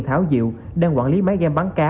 thảo diệu đang quản lý máy game bắn cá